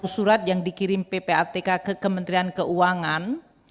dua ratus surat yang dikirim ppatk ke kementerian keuangan